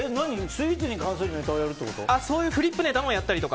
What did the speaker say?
スイーツに関するネタをやるってこと？